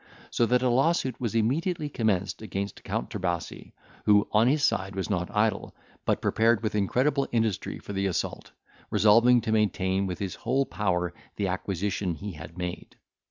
So that a lawsuit was immediately commenced against Count Trebasi, who on his side was not idle, but prepared with incredible industry for the assault, resolving to maintain with his whole power the acquisition he had made.